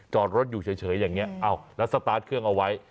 จอดรถอยู่เฉยอย่างนี้แล้วสตาร์ทเครื่องเอาไว้